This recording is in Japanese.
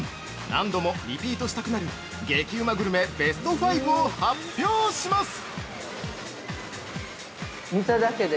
何度もリピートしたくなる激うまグルメベスト５を発表します！